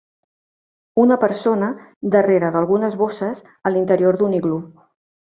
Una persona darrere d"algunes bosses a l"interior d"un iglú.